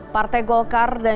partai golkar dan